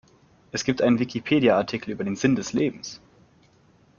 Es gibt einen Wikipedia-Artikel über den Sinn des Lebens.